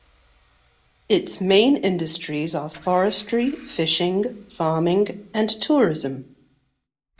Its main industries are forestry, fishing, farming, and tourism.